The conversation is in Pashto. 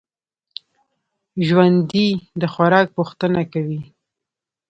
ژوندي د خوراک پوښتنه کوي